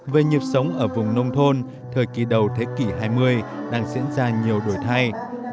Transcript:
về nhịp sống ở vùng nông thôn thời kỳ đầu thế kỷ hai mươi đang diễn ra nhiều đổi thay